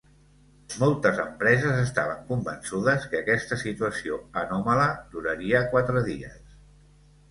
Moltes empreses estaven convençudes que aquesta situació anòmala duraria quatre dies.